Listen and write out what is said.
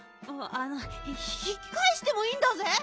あのひきかえしてもいいんだぜ。